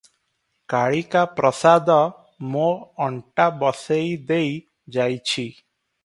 କାଳିକାପ୍ରସାଦ ମୋ ଅଣ୍ଟା ବସେଇ ଦେଇ ଯାଇଛି ।